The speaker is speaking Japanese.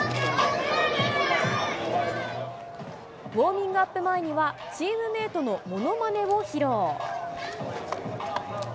ウォーミングアップ前には、チームメートのものまねを披露。